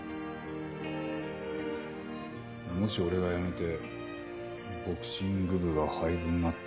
もし俺が辞めてボクシング部が廃部になったら。